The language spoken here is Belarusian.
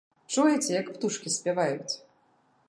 Чуеце, як птушкі спяваюць?